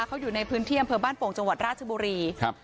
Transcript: เขาอยู่ในพื้นที่อำเภอบ้านโป่งจังหวัดราชบุรีครับ